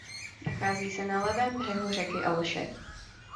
Nachází se na levém břehu řeky Olše.